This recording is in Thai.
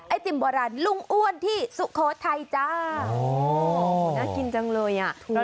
ไอติมบ่ารันลุงอ้วนที่สุโคสไทยจ้าโอ้น่ากินจังเลยอ่ะถูก